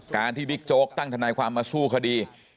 การที่บิ๊กโจ๊กตั้งทนายความมาสู้คดี